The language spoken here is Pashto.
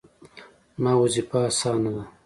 زما وظیفه اسانه ده